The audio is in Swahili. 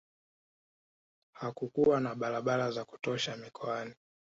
hakukuwa na barabara za kutosha mikoani